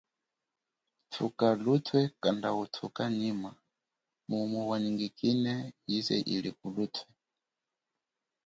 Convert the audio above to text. Tuka lutwe, kanda utuka nyima, mumu wanyingine yize ili kulutwe.